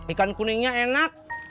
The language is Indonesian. ikan kuningnya enak